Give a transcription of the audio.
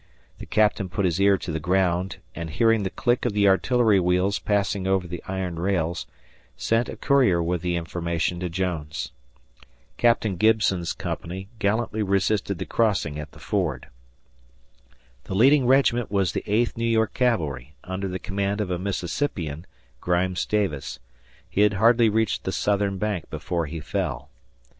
The captain put his ear to the ground and, hearing the click of the artillery wheels passing over the iron rails, sent a courier with the information to Jones. Captain Gibson's company gallantly resisted the crossing at the ford. The leading regiment was the Eighth New York Cavalry under the command of a Mississippian, "Grimes" Davis. He had hardly reached the southern bank before he fell.